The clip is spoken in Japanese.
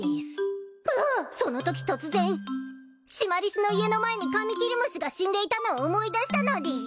そのとき突然シマリスの家の前にカミキリムシが死んでいたのを思い出したのでぃす。